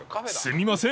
［すみません